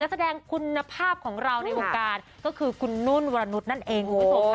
และแสดงคุณภาพของเราในวงการก็คือคุณนุ่นวันนุษย์นั่นเอง